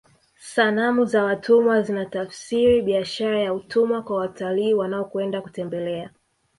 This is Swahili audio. sanamu za watumwa zinatafsiri biashara ya utumwa kwa watalii wanaokwenda kutembelea